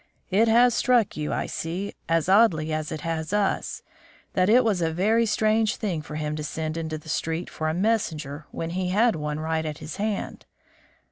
"It has struck you, I see, as oddly as it has us, that it was a very strange thing for him to send into the street for a messenger when he had one right at his hand."